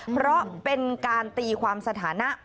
เพราะเป็นการตีความสถานะ